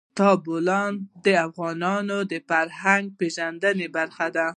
تالابونه د افغانانو د فرهنګي پیژندنې برخه ده.